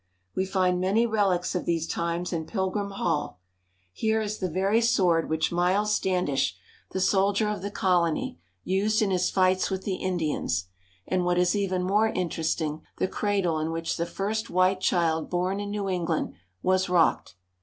We find many relics of these times in Pilgrim Hall. Here is the very sword which Miles Standish, the sol Plymouth Rock. SOUTH BY STEAMER. 99 dier of the colony, used in his fights with the Indians, and, what is even more interesting, the cradle in which the first white child born in New England was rocked.